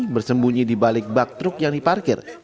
bersembunyi di balik bak truk yang diparkir